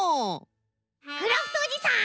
クラフトおじさん！